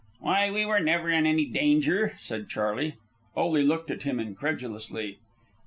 "Why, we were never in any danger," said Charley. Ole looked at him incredulously.